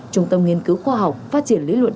trung tâm nghiên cứu khoa học phát triển lý luận